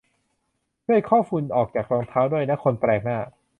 ช่วยเคาะฝุ่นออกจากรองเท้าด้วยนะคนแปลกหน้า